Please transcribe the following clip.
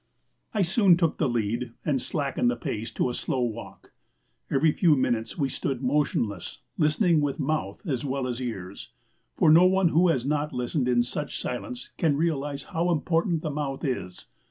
I soon took the lead and slackened the pace to a slow walk. Every few minutes we stood motionless, listening with mouth as well as ears. For no one who has not listened in such silence can realize how important the mouth is.